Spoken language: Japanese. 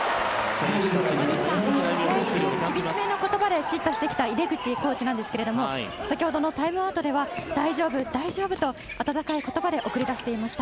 選手たちを叱咤してきた井手口コーチですが先ほどのタイムアウトでは大丈夫、大丈夫と温かい言葉で送り出していました。